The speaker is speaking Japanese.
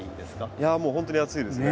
いやもうほんとに暑いですね。